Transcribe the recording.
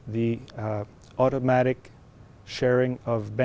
để giải quyết vấn đề phát triển pháp luật